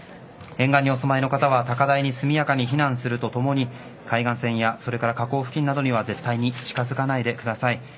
沿岸にお住まいの方は高台に速やかに避難するとともに海岸線やそれから河口付近などには絶対に近づかないでください。